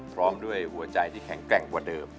พร้อมด้วยหัวใจที่แข็งแกร่งกว่าเดิม